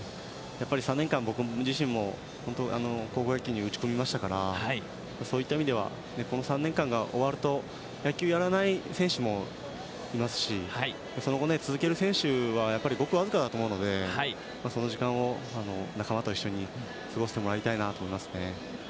やっぱり３年間僕自身も本当高校野球に打ち込みましたから、そういった意味では、この３年間が終わると野球をやらない選手もいますしその後続ける選手はごく僅かだと思うのでその時間を仲間と一緒に過ごしてもらいたいなと思いますね。